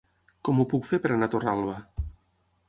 Com ho puc fer per anar a Torralba?